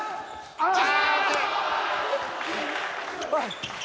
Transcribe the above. ああ！